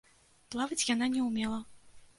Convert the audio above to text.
Плаваць яна не ўмела.